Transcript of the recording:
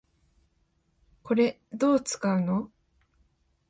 これ、どう使うの？